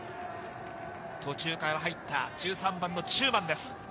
途中から入った１３番の中馬です。